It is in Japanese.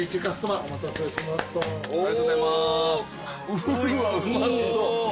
うわうまそう。